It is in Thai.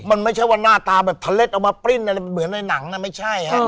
มันไม่ใช่ว่าหน้าตาแบบทะเล็ดเอามาปริ้นอะไรเหมือนในหนังนะไม่ใช่ฮะ